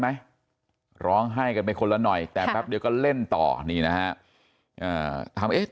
ไหมร้องไห้กันไปคนละหน่อยแต่แป๊บเดียวก็เล่นต่อนี่นะฮะถามเอ๊ะ